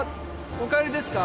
お帰りですか？